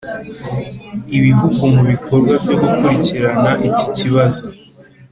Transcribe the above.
ibihugu mu bikorwa byo gukurikirana ikiki kibazo